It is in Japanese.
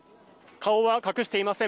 顔は隠していません。